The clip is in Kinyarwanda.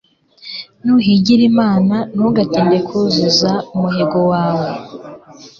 nuhigira imana, ntugatinde kuzuza umuhigo wawe